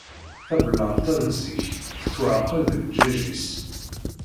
Tabellart-a n zik, tettwaɛqal deg ddjaj-is